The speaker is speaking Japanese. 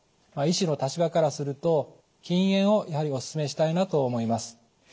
医師の立場からすると禁煙をやはりお勧めしたいなと思います。